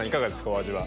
お味は。